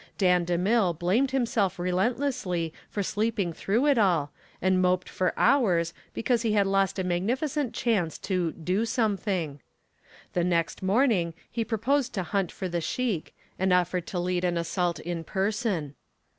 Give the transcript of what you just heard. Dan DeMille blamed himself relentlessly for sleeping through it all and moped for hours because he had lost a magnificent chance to "do something." The next morning he proposed to hunt for the sheik, and offered to lead an assault in person.